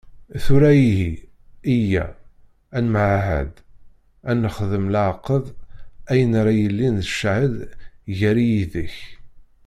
Tura ihi, yya ad nemɛahad, ad nexdem leɛqed ayen ara yilin d ccahed gar-i yid-k.